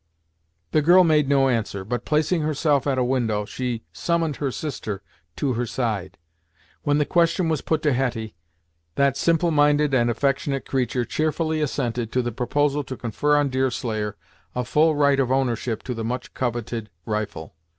The girl made no answer but placing herself at a window, she summoned her sister to her side. When the question was put to Hetty, that simple minded and affectionate creature cheerfully assented to the proposal to confer on Deerslayer a full right of ownership to the much coveted rifle.